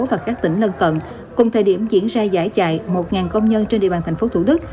và các tỉnh lân cận cùng thời điểm diễn ra giải chạy một công nhân trên địa bàn thành phố thủ đức